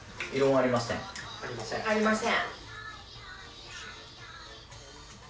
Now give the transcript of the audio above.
ありません。